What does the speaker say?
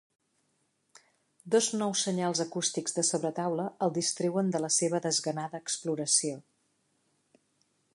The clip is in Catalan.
Dos nous senyals acústics de sobretaula el distreuen de la seva desganada exploració.